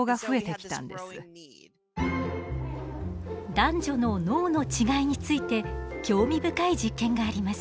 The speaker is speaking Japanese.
男女の脳の違いについて興味深い実験があります。